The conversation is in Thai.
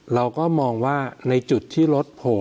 เราก็มองว่าในจุดที่เราจะทำอะไรนะครับ